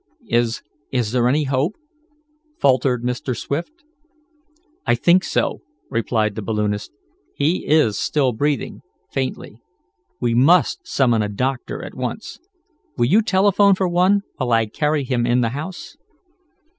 "Is is there any hope?" faltered Mr. Swift. "I think so," replied the balloonist. "He is still breathing faintly. We must summon a doctor at once. Will you telephone for one, while I carry him in the house?"